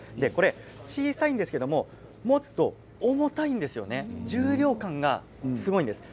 小さいですけれども持つと重たいんですよ、重量感がすごいんです。